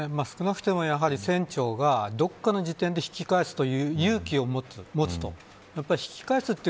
少なくとも船長が、どこかの時点で引き返すという勇気を持つと。